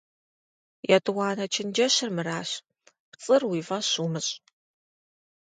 ЕтӀуанэ чэнджэщыр мыращ: пцӀыр уи фӀэщ умыщӀ.